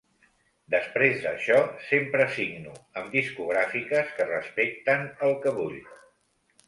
Després d’això sempre signo amb discogràfiques que respecten el que vull.